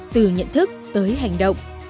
từ nhận thức tới hành động